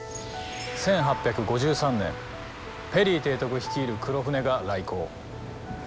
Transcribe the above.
１８５３年ペリー提督率いる黒船が来航。